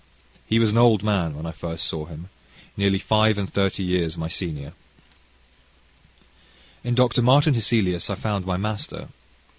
He was an old man when I first saw him; nearly five and thirty years my senior. In Dr. Martin Hesselius, I found my master.